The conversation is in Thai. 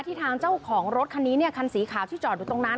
ทางเจ้าของรถคันนี้เนี่ยคันสีขาวที่จอดอยู่ตรงนั้น